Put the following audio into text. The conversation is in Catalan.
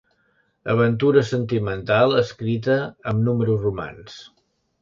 Aventura sentimental escrita amb números romans.